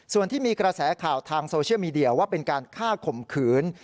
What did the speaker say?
ส่วนที่มีกระแสข่าวทางโซเชียลมีเดียว่าเป็นการฆ่าข่มขืน